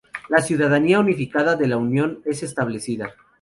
La ciudadanía unificada de la unión es establecida.